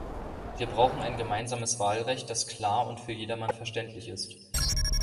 Wir brauchen ein gemeinsames Wahlrecht, das klar und für jedermann verständlich ist.